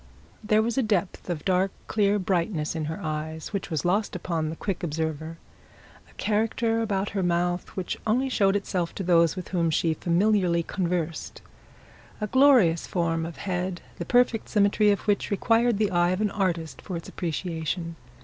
There was a depth of dark clear brightness in her eyes which was lost upon a quick observer, a character about her mouth which only showed itself to those with whom she familiarly conversed, a glorious form of head the perfect symmetry of which required the eyes of an artist for its appreciation.